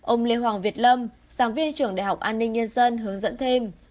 ông lê hoàng việt lâm sàng viên trưởng đại học an ninh nhân dân hướng dẫn thêm